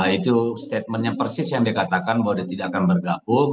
itu statementnya persis yang dikatakan bahwa dia tidak akan bergabung